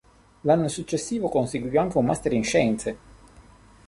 L'anno successivo conseguì anche un master in scienze.